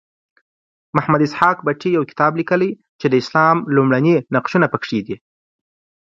محمد اسحاق بټي یو کتاب لیکلی چې د اسلام لومړني نقشونه پکې دي.